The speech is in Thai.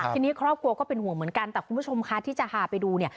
ทีนี้ครอบครัวก็เป็นห่วงเหมือนกันแต่คุณผู้ชมคะที่จะพาไปดูเนี่ย